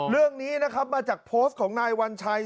เรื่องนี้นะครับมาจากโพสต์ของนายวัญชัย